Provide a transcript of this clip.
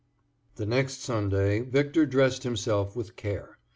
The next Sunday, Victor dressed himself with care.